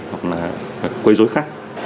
hoặc là quây dối khách